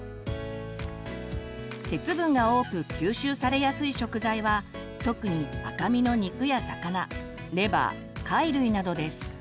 鉄分が多く吸収されやすい食材は特に赤身の肉や魚レバー貝類などです。